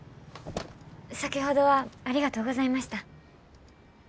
先ほどはありがとうございました。え？